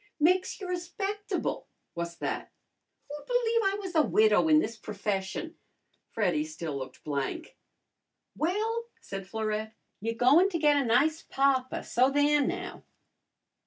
"Makes you respectable." "What's that?" "Who'd believe I was a widow in this profession?" Freddy still looked blank. "Well," said Florette, "you're goin' to get a nice papa, so there now!"